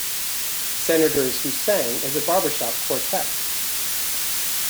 Senators who sang as a barbershop quartet.